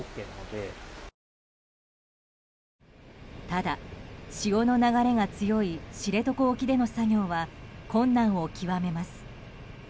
ただ、潮の流れが強い知床沖での作業は困難を極めます。